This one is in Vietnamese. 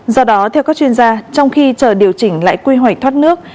do đó theo các chuyên gia trong khi chờ điều chỉnh lại quy hoạch thoát nước